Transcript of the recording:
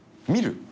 見る？